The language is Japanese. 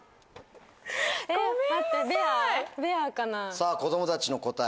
さぁ子供たちの答え。